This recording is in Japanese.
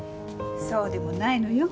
そうでもないのよ。